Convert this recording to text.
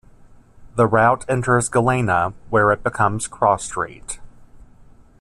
The route enters Galena, where it becomes Cross Street.